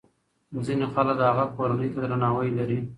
ځینې خلک د هغه کورنۍ ته درناوی لري.